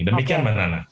demikian b nana